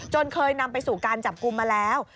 เคยนำไปสู่การจับกลุ่มมาแล้ว